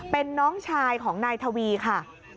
เป็นน้องชายของนายทวีค่ะ